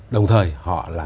đồng thời họ là